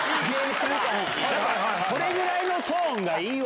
それぐらいのトーンがいいわ。